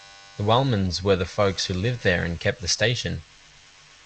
The Wellmans were the folks who lived there and kept the station.